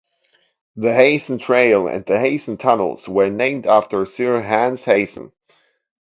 The Heysen Trail and Heysen Tunnels were named after Sir Hans Heysen.